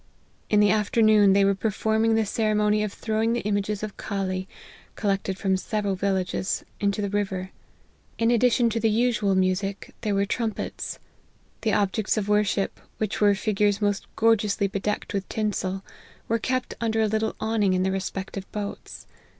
In the afternoon, they were performing the ceremony of throwing the images of Cali, collected from several villages, into the river. In addition to the usual music, there were 78 LIFE OF HENRY MARTYN. trumpets. The objects of worship, which were figures most gorgeously bedecked with tinsel, were kept under a little awning in their respective boats.